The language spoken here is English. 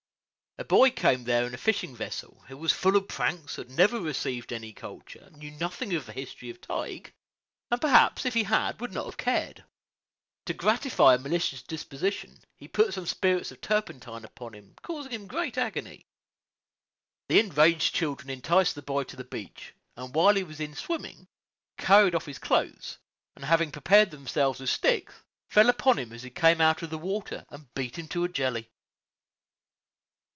A boy came there in a fishing vessel, who was full of pranks, had never received any culture, knew nothing of the history of Tige, and perhaps, if he had, would not have cared; to gratify a malicious disposition, he put some spirits of turpentine on him, causing him great agony. The enraged children enticed the boy to the beach, and while he was in swimming, carried off his clothes, and, having prepared themselves with sticks, fell upon him as he came out of the water, and beat him to a jelly.